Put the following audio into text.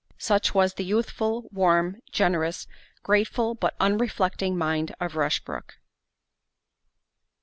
Such was the youthful, warm, generous, grateful, but unreflecting mind of Rushbrook.